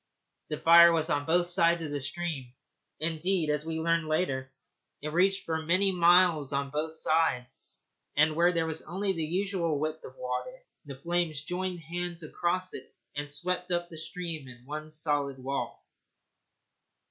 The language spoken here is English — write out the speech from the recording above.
The fire was on both sides of the stream indeed, as we learned later, it reached for many miles on both sides, and where there was only the usual width of water the flames joined hands across it and swept up the stream in one solid wall.